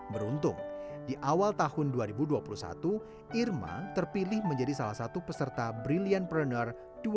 beruntung di awal tahun dua ribu dua puluh satu irma terpilih menjadi salah satu peserta brilliantpreneur dua ribu dua puluh